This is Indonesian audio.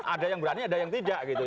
ada yang berani ada yang tidak gitu